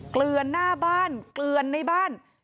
เกลือนหน้าบ้านเกลือนในบ้าน